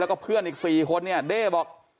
แล้วก็เพื่อนอีก๔คนเนี่ยเด้บอก